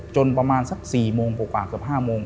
จนประมาณสัก๔โมงกว่า๑๕โมง